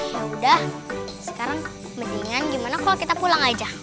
yaudah sekarang kepentingan gimana kalau kita pulang aja